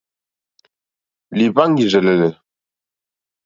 Lìhváŋgìrzèlèlè.